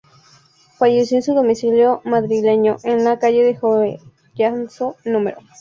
Falleció en su domicilio madrileño, en la calle de Jovellanos, núm.